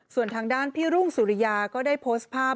ส่วนทางด้านพี่รุ่งสุริยาก็ได้โพสต์ภาพ